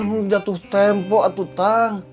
kan lu jatuh tempo atuh tang